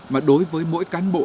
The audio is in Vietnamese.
mà đối với mỗi cán bộ